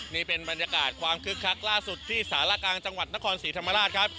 นี่เป็นบรรยากาศความคึกคักล่าสุดที่สารกลางจังหวัดนครศรีธรรมราชครับ